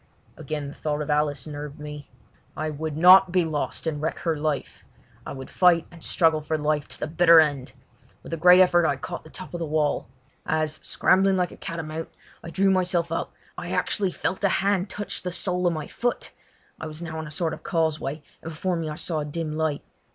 Again the thought of Alice nerved me. I would not be lost and wreck her life: I would fight and struggle for life to the bitter end. With a great effort I caught the top of the wall. As, scrambling like a catamount, I drew myself up, I actually felt a hand touch the sole of my foot. I was now on a sort of causeway, and before me I saw a dim light.